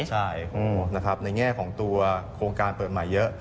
ใช่นะครับในแง่ของตัวโครงการเปิดใหม่เยอะ